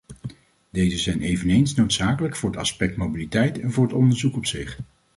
Deze zijn eveneens noodzakelijk voor het aspect mobiliteit en voor het onderzoek op zich.